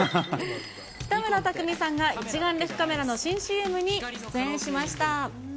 北村匠海さんが一眼レフカメラの新ＣＭに出演しました。